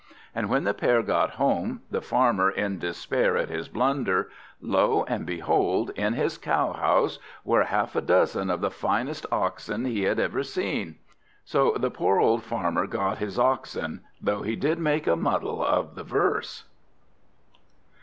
And when the pair got home, the Farmer in despair at his blunder, lo and behold in his cowhouse were half a dozen of the finest oxen he had ever seen! So the poor old Farmer got his oxen, though he did make a muddle of the verse.